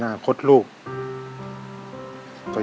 อยากเรียน